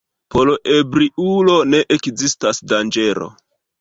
Por ebriulo ne ekzistas danĝero.